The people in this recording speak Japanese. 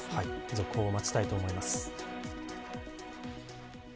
続報を待ちたいと思います。